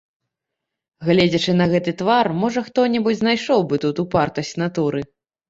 Гледзячы на гэты твар, можа хто-небудзь знайшоў бы тут упартасць натуры.